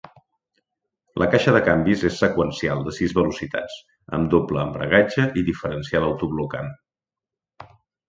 La caixa de canvis és seqüencial de sis velocitats, amb doble embragatge i diferencial autoblocant.